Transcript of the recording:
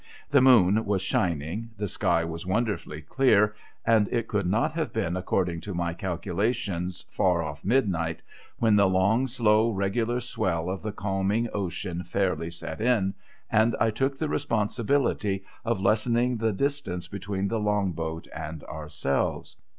The moon was shining, the sky was wonderfully clear, and it could not have been, according to my calculations, far off midnight, when the long, slow, regular swell of the calming ocean fairly set in, and I took the responsibility of lessening the distance between the Long boat and ourselves.